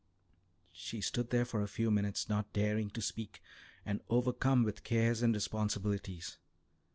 She stood there for a few minutes, not daring to speak, and overcome with cares and responsibilities.